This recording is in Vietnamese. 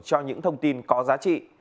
cho những thông tin có giá trị